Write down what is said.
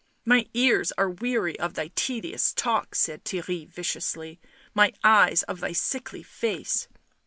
" My ears are weary of thy tedious talk," said Theirry viciously, " my eyes of thy sickly face."